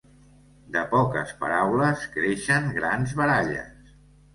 De poques paraules creixen grans baralles.